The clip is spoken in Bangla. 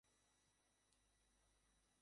যার উপনাম উম্মে আইমান।